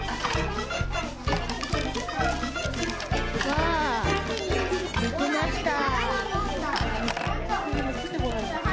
わあできました！